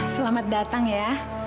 selamat datang ya